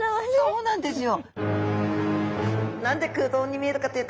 そうなんですよ。